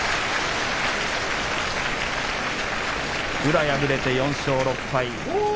宇良敗れて４勝６敗。